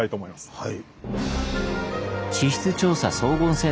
はい。